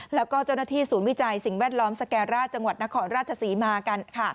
แล้วก็เจ้าหน้าที่ศูนย์วิจัยสิ่งแวดล้อมสแกร่าจังหวัดนครราชศรีมากันค่ะ